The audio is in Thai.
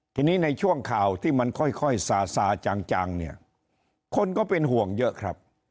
ทีนี้ในช่วงข่าวที่มันค่อยซาซาจังเนี่ยคนก็เป็นห่วงเยอะครับ